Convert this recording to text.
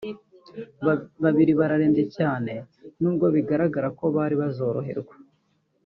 babiri bararembye cyane nubwo bigaragara ko bari bazoroherwa